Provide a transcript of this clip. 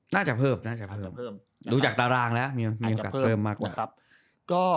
น่าจะเพิ่มรู้จากตารางแล้วมีโอกาสเพิ่มมาก